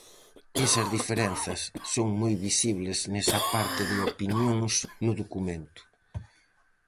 Esas diferenzas son moi visibles nesa parte de opinións no documento.